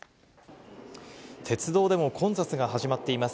鉄道でも混雑が始まっています。